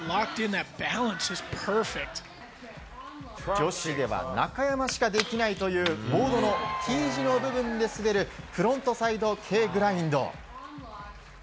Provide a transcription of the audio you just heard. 女子では中山しかできないというボードのＴ字の部分で滑るフロントサイドＫグラインド。